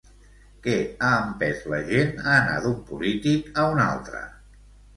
Què ha empès la gent a anar d'un polític a un altre?